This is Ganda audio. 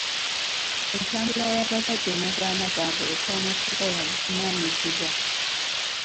Entambula y’abazadde n’abaana baabwe esaana kuba ya buvunaanyizibwa.